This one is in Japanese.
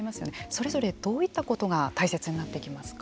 それぞれどういったことが大切になってきますか。